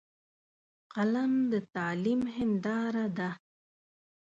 قلم د تعلیم هنداره ده